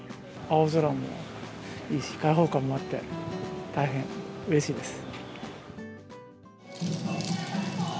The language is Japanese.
青空もいいし、開放感もあって大変うれしいです。